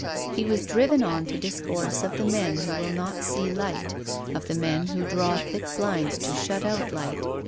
He was driven on to dis course of the men who will not see light, of the men who draw thick blinds to shut out light.